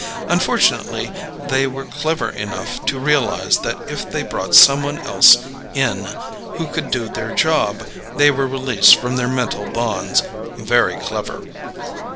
Unfortunately, they were clever enough to realize that if they brought someone else in who could do their job, they were released from their mental bonds. Very clever."